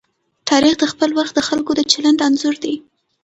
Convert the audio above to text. تاریخ د خپل وخت د خلکو د چلند انځور دی.